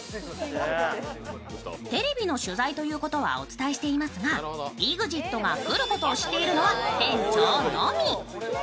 テレビの取材ということはお伝えしていますが、ＥＸＩＴが来ることを知っているのは店長のみ。